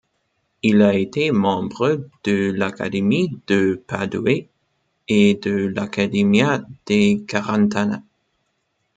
Il a été membre de l'Académie de Padoue et de l'Accademia dei Quaranta.